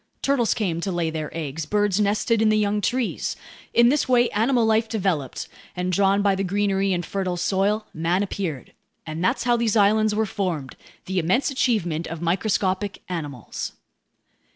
Turtles came to lay their eggs. Birds nested in the young trees. In this way animal life developed, and drawn by the greenery and fertile soil, man appeared. And that's how these islands were formed, the immense achievement of microscopic animals.